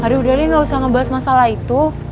aduh dali gak usah ngebahas masalah itu